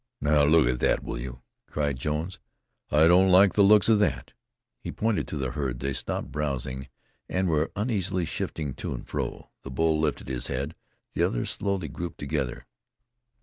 "Now, look at that, will you?" cried Jones. "I don't like the looks of that." He pointed to the herd. They stopped browsing, and were uneasily shifting to and fro. The bull lifted his head; the others slowly grouped together.